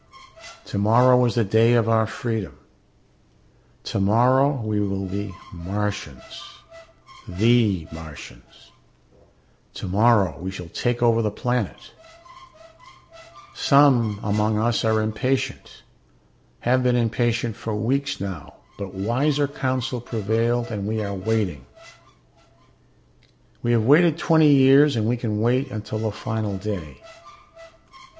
Tomorrow is the day of our freedom. Tomorrow we will be Martians, the Martians. Tomorrow we shall take over the planet. Some among us are impatient, have been impatient for weeks now, but wiser counsel prevailed and we are waiting. We have waited twenty years and we can wait until the final day.